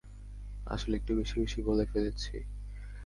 আসলে একটু বেশি বেশি বলে ফেলছি।